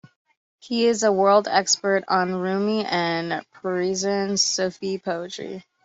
He is a world expert on Rumi and Persian Sufi poetry.